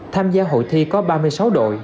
tham gia hội thi có ba mươi sáu đội